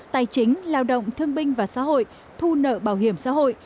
tài chính lao động thương binh và xã hội thu nợ bảo hiểm xã hội